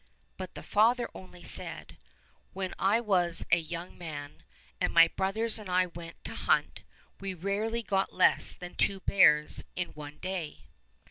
But the father only said, "When I was a young man, and my brothers and I went to hunt, we rarely got less than two bears in one day."